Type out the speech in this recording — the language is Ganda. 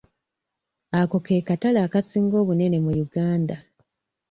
Ako ke katale akasinga obunene mu Uganda.